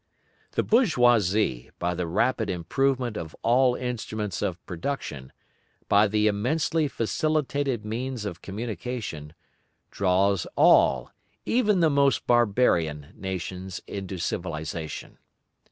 The bourgeoisie, by the rapid improvement of all instruments of production, by the immensely facilitated means of communication, draws all, even the most barbarian, nations into civilisation.